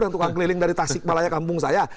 dan tukang keliling dari tasik malaya kampung saya